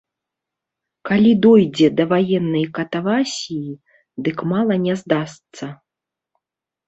Калі дойдзе да ваеннай катавасіі, дык мала не здасца.